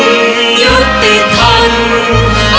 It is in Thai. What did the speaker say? ไม่เร่รวนภาวะผวังคิดกังคัน